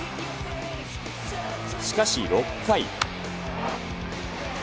しかし６回。